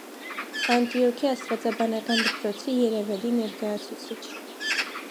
Անտիոքի աստվածաբանական դպրոցի երևելի ներկայացուցիչ։